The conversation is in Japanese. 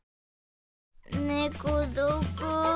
ねこどこ？